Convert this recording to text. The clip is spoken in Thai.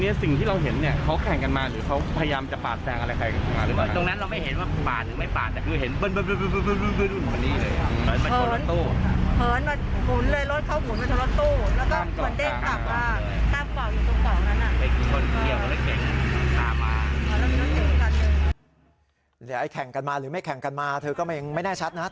เดี๋ยวแข่งกันมาหรือไม่แข่งกันมาเธอก็ไม่แน่ชัดนะ